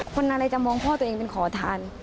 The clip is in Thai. คนอะไรจะมองพ่อตัวเองเป็นขอทาน